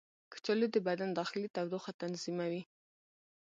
کچالو د بدن داخلي تودوخه تنظیموي.